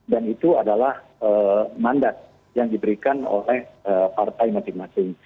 dan itu adalah mandat yang diberikan oleh partai masing masing